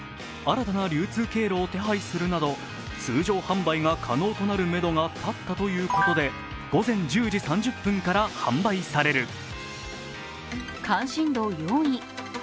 新たな流通経路を手配するなど、通常販売が可能となるめどが立ったということで午前１０時３０分から販売される。